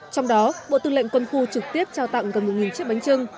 trong đó bộ tư lệnh quân khu trực tiếp trao tặng gần một chiếc bánh trưng